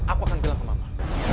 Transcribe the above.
aku akan bilang ke mama